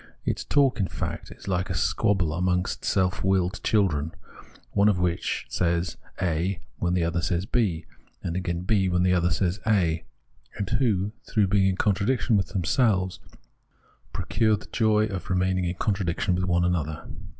Its talk, in fact, is hke a squabble among self willed children, one of whom says a when the other says B, and again B, when the other says a, and who, through being in contradiction with themselves, procure the joy of remaining in contradiction with one another.